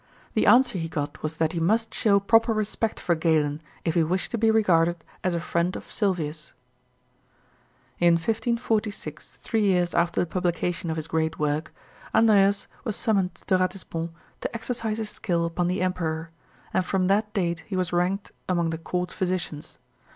The answer he got was that he must show proper respect for Galen, if he wished to be regarded as a friend of Sylvius. In 1546, three years after the publication of his great work, Andreas was summoned to Ratisbon to exercise his skill upon the emperor, and from that date he was ranked among the court physicians.